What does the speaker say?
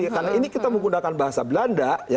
karena ini kita menggunakan bahasa belanda